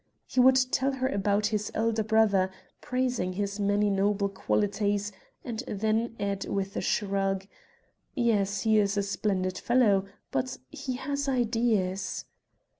He would tell her about his elder brother, praising his many noble qualities, and then add with a shrug: "Yes, he is a splendid fellow, but ... he has ideas!"